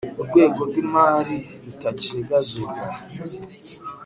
urwego rw imari rutajegajega